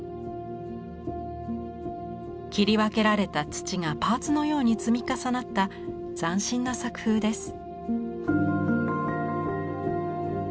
切り分けられた土がパーツのように積み重なった斬新な作風です。